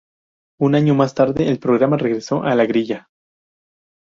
Un año más tarde, el programa regresó a la grilla.